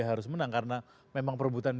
harus menang karena memang perebutan